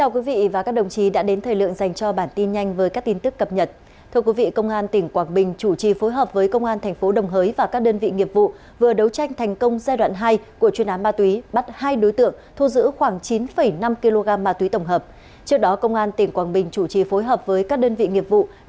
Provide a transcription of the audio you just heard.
các bạn hãy đăng ký kênh để ủng hộ kênh của chúng mình nhé